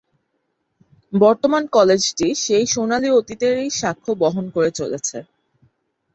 বর্তমান কলেজটি সেই সোনালী অতীতের-ই সাক্ষ্য বহন করে চলছে।